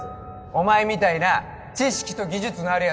お前みたいな知識と技術のあるやつがいて